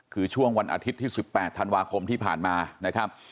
คือช่วงวันอาทิตย์ที่๑๘ธันวาคมที่ผ่านมานะครับ